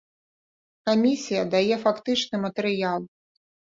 Камісія дае фактычны матэрыял.